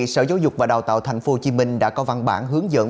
sở giáo dục và đào tạo tp hcm đã có văn bản hướng dẫn